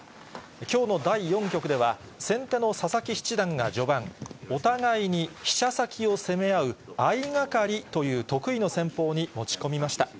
きょうの第４局では、先手の佐々木七段が序盤、お互いに飛車先を攻め合うあいがかりという得意の戦法に持ち込みました。